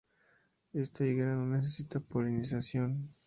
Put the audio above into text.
Esta higuera no necesita polinización.